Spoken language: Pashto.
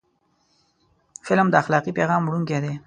فلم د اخلاقي پیغام وړونکی دی